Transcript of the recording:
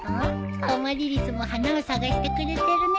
アマリリスも花を探してくれてるね。